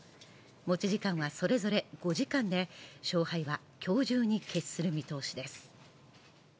持ち時間はそれれ５時間で勝敗は今日中に決する見通しです。